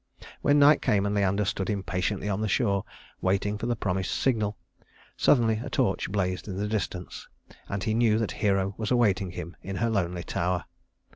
When night came and Leander stood impatiently on the shore, waiting for the promised signal, suddenly a torch blazed in the distance, and he knew that Hero was awaiting him in her lonely tower.